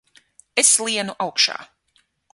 Es lienu augšā!